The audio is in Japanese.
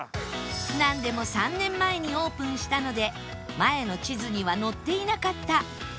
なんでも３年前にオープンしたので前の地図には載っていなかった桂来さん